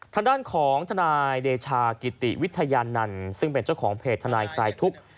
ทางด้านของทนายเดชากิติวิทยานันต์ซึ่งเป็นเจ้าของเพจทนายคลายทุกข์